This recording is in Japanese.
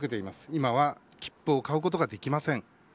今は切符を買うことができません。